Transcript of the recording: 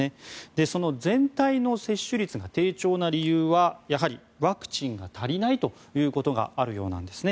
その全体の接種率が低調な理由はやはりワクチンが足りないということがあるようなんです。